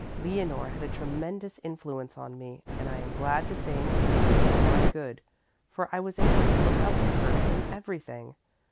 Leonore had a tremendous influence on me, and I am glad to say an influence for my good, for I was able to look up to her in everything.